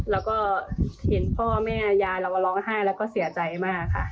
แล้วก็เห็นพ่อแม่ยายเรามาร้องไห้แล้วก็เสียใจมากค่ะ